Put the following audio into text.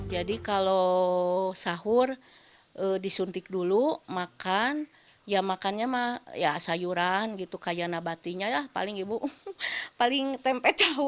jadi kalau sahur disuntik dulu makan ya makannya mah sayuran gitu kayak nabatinya ya paling tempe jauh